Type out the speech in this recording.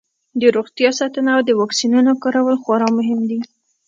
د روغتیا ساتنه او د واکسینونو کارول خورا مهم دي.